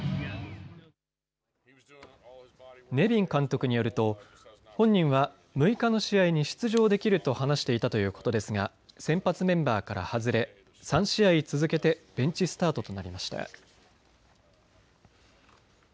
ネビン監督によると本人は６日の試合に出場できると話していたということですが先発メンバーから外れ３試合続けてベンチスタートとなりました。